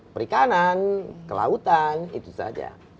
perikanan kelautan itu saja